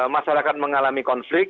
masyarakat mengalami konflik